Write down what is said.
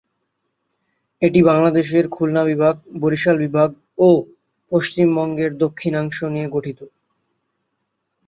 এটি বাংলাদেশের খুলনা বিভাগ, বরিশাল বিভাগ ও পশ্চিমবঙ্গের দক্ষিণাংশ নিয়ে গঠিত।